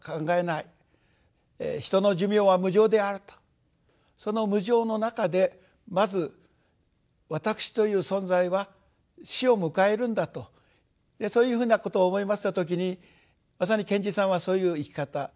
人の寿命は無常であるとその無常の中でまず私という存在は死を迎えるんだとそういうふうなことを思いました時にまさに賢治さんはそういう生き方。